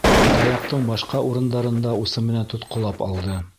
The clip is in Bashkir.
Таяҡтың башҡа урындарын да усы менән тотҡолап алды.